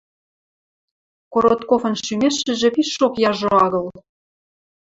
Коротковын шӱмешӹжӹ пишок яжо агыл.